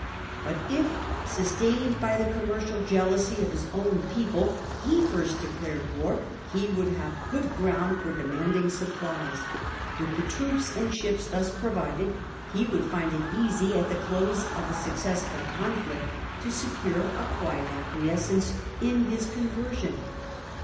But if, sustained by the commercial jealousy of his own people, he first declared war, he would have good ground for demanding supplies ; with the troops and ships thus provided he would find it easy, at the close of a successful conflict, to secure a quiet acquiescence in his conversion.